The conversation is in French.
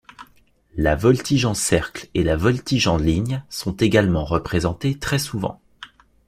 La voltige en cercle et la voltige en ligne sont également représentés très souvent.